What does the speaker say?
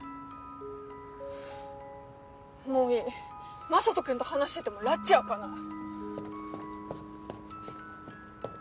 もういい雅人君と話しててもらち明かない。